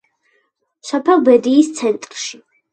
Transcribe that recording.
სოფელ ბედიის ცენტრში.